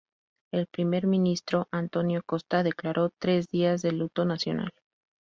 El primer ministro António Costa declaró tres días de luto nacional.